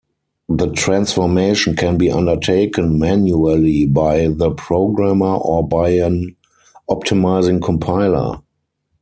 The transformation can be undertaken manually by the programmer or by an optimizing compiler.